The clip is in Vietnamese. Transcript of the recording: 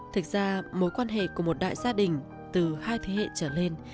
thực ra mối quan hệ của một đại gia đình từ hai thế hệ trở lên